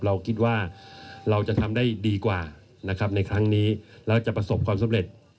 เราคิดว่าเราจะทำได้ดีกว่านะครับในครั้งนี้แล้วจะประสบความสำเร็จ